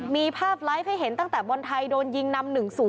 มีภาพไลฟ์ให้เห็นตั้งแต่บอลไทยโดนยิงนำ๑๐